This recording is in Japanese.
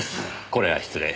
これは失礼。